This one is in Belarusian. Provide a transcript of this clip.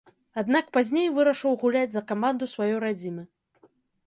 Аднак пазней вырашыў гуляць за каманду сваёй радзімы.